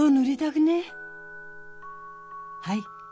はい。